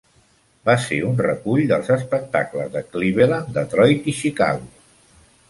Va ser un recull dels espectacles de Cleveland, Detroit i Chicago.